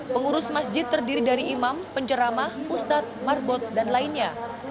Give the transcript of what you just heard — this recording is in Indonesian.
pengurus masjid terdiri dari imam penceramah ustadz marbot dan lainnya